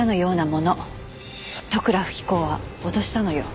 利倉富貴子を脅したのよ。